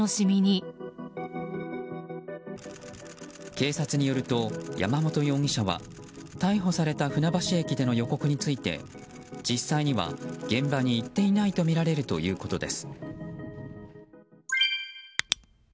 警察によると、山本容疑者は逮捕された船橋駅での予告について実際には現場に行っていないとみられるということです。